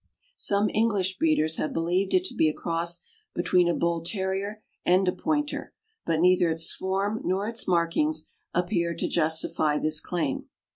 Some English breeders have believed it to be a cross between a Bull Terrier and a Pointer, but neither its form nor its markings appear to justify this claim.